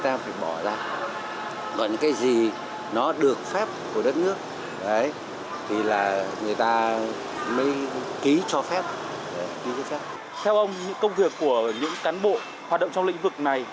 theo ông những công việc của những cán bộ hoạt động trong lĩnh vực này